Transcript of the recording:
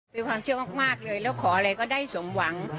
เป็นความเชื่อมากเลยแล้วขออะไรก็ได้สมหวัง